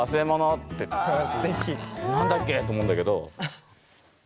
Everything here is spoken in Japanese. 何だっけと思うんだけど。